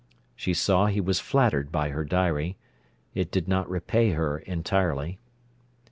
She saw he was flattered by her diary. It did not repay her entirely.